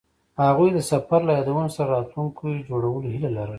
هغوی د سفر له یادونو سره راتلونکی جوړولو هیله لرله.